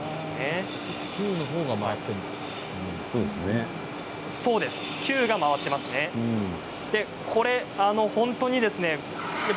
木のほうが回っているんですね。